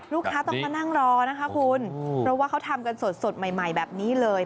ลูกค้าต้องมานั่งรอนะคะคุณเพราะว่าเขาทำกันสดใหม่แบบนี้เลย